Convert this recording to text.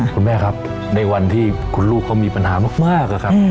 คุณแม่ครับในวันที่คุณลูกเขามีปัญหามากอะครับ